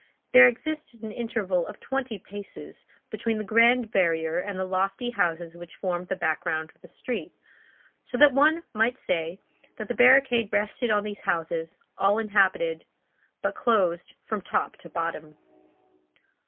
There existed an interval of twenty paces between the grand barrier and the lofty houses which formed the background of the street, so that one might say that the barricade rested on these houses, all inhabited, but closed from top to bottom.